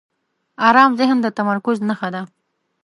آرام ذهن د تمرکز نښه ده.